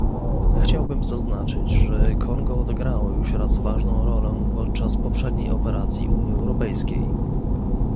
Chciałbym zaznaczyć, że Kongo odegrało już raz ważną rolę podczas poprzedniej operacji Unii Europejskiej